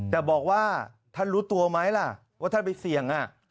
แต่บอกว่าท่านรู้ตัวไหมล่ะว่าท่านไปเสี่ยง